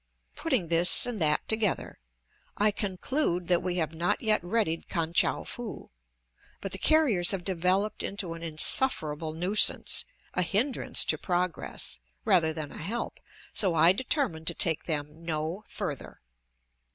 Putting this and that together, I conclude that we have not yet readied Kan tchou foo; but the carriers have developed into an insufferable nuisance, a hinderance to progress, rather than a help, so I determine to take them no farther.